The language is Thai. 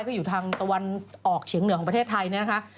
ก็อยู่ทางตะวันออกเฉียงเหนือของประเทศไทยเนี่ยนะคะ